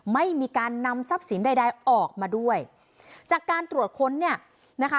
ไม่มีการนำทรัพย์สินใดใดออกมาด้วยจากการตรวจค้นเนี่ยนะคะ